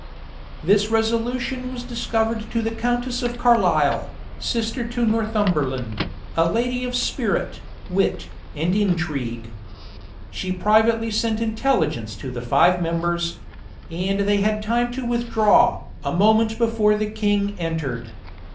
This resolution was discovered to the countess of Carlisle, sister to Northumberland, a lady of spirit, wit, and intrigue.[] She privately sent intelligence to the five members; and they had time to withdraw, a moment before the king entered.